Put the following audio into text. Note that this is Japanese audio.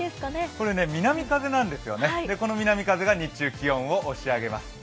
これ南風なんですね、この南風が日中、気温を押し上げます。